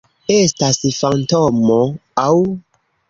Estas fantomo aŭ...